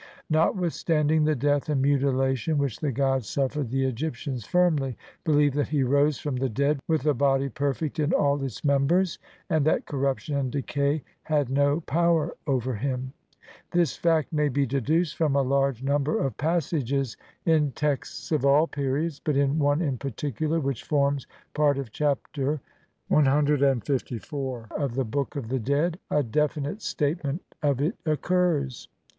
Notwithstand ing the death and mutilation which the god suf fered the Egyptians firmly believed that he rose from the dead with a body perfect in all its members, and that corruption and decay had no power over him. This fact may be deduced from a large number of passages in texts of all periods, but in one in parti cular which forms part of Chapter CLIV of the Book of the Dead' a definite statement of it occurs.